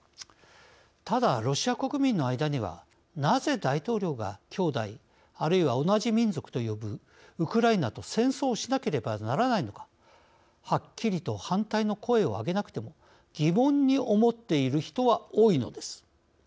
ただ、ロシア国民の間にはなぜ大統領がきょうだいあるいは同じ民族と呼ぶウクライナと戦争をしなければならないのかはっきりと反対の声を上げなくても疑問に思っている人は多いのです。